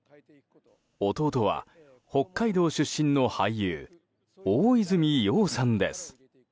弟は北海道出身の俳優大泉洋さんです。